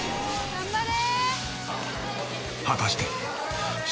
頑張れ！